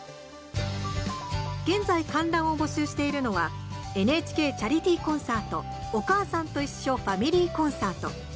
現在、観覧を募集しているのはＮＨＫチャリティーコンサート「おかあさんといっしょ」ファミリーコンサート。